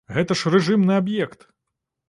Гэта ж рэжымны аб'ект!